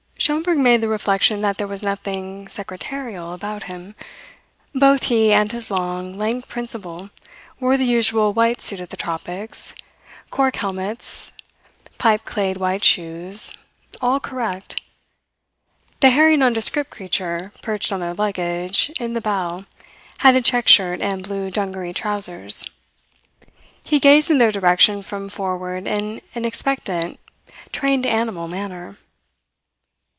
Schomberg made the reflection that there was nothing secretarial about him. Both he and his long, lank principal wore the usual white suit of the tropics, cork helmets, pipe clayed white shoes all correct. The hairy nondescript creature perched on their luggage in the bow had a check shirt and blue dungaree trousers. He gazed in their direction from forward in an expectant, trained animal manner.